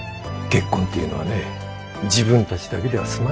結婚っていうのはね自分たちだけでは済まないから。